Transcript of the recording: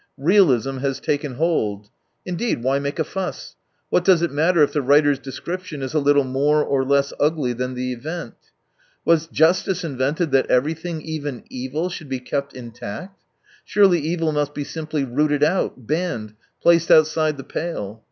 Realism has taken hold. Indeed, why make a fuss ? What does it matter if the writer's description is a little more or less ugly than the event ? Was justice invented that everything, even evil, should be kept intact ? Surely evil must be simply rooted out, banned, placed outside the pale.